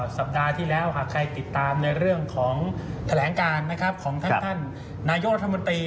สัปดาห์ที่แล้วใครติดตามในเรื่องของแถลงการของท่านนายกรรธมตรี